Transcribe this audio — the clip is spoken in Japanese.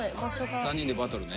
３人でバトルね。